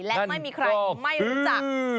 และไม่มีใครไม่รู้จัก